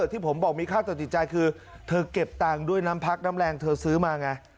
ที่ผมบอกมีค่าจอดติดใจคือเธอเก็บตังค์ด้วยน้ำพักน้ำแรงเธอซื้อมาไง